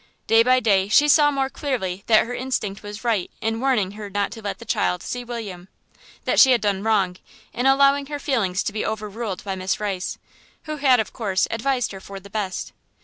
Day by day she saw more clearly that her instinct was right in warning her not to let the child see William, that she had done wrong in allowing her feelings to be overruled by Miss Rice, who had, of course, advised her for the best.